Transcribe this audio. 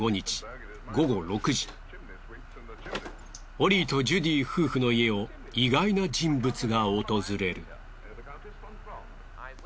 オリーとジュディ夫婦の家を意外な人物が訪れる。